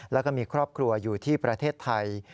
แล้วก็มีครอบครัวอยู่ที่ประเทศไทย